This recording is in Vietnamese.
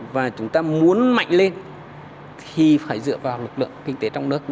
và chúng ta muốn mạnh lên thì phải dựa vào lực lượng kinh tế trong nước